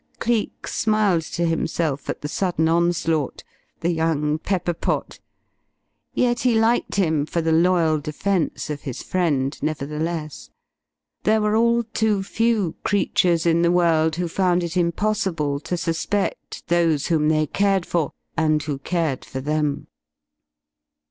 Cleek smiled to himself at the sudden onslaught. The young pepper pot! Yet he liked him for the loyal defence of his friend, nevertheless. There were all too few creatures in the world who found it impossible to suspect those whom they cared for, and who cared for them.